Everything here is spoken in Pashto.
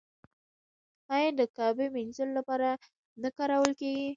آیا د کعبې مینځلو لپاره نه کارول کیږي؟